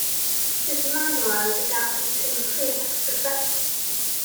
His mandola is adapted to include extra frets.